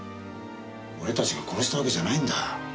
俺達が殺したわけじゃないんだ。